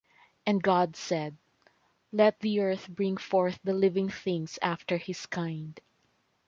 And God said, Let the earth bring forth the living things after his kind